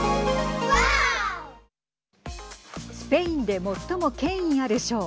スペインで最も権威ある賞。